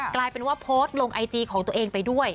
กลายเป็นว่าโพสต์ลงไอจีของตัวเองไปด้วย